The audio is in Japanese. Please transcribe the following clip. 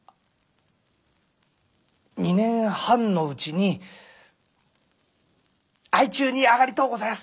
２年半のうちに相中に上がりとうございます。